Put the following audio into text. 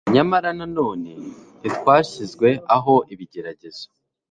nyamara na none ntitwashyizwe aho ibigeragezo